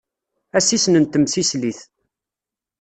Asissen n temsislit.